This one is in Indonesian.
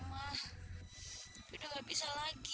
mah udah gak bisa lagi